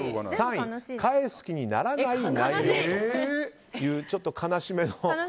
３位返す気にならない内容というちょっと悲しめの。